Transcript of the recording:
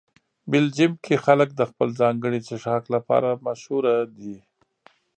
بلجیم کې خلک د خپل ځانګړي څښاک لپاره مشهوره دي.